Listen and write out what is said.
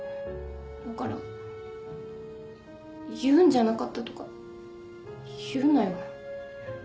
だから言うんじゃなかったとか言うなよ。